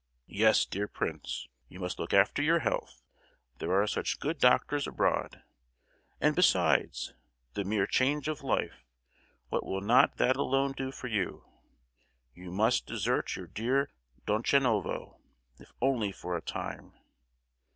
"Yes, dear prince, you must look after your health. There are such good doctors abroad; and—besides, the mere change of life, what will not that alone do for you! You must desert your dear Donchanovo, if only for a time!"